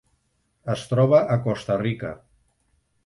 Es troba a Costa Rica.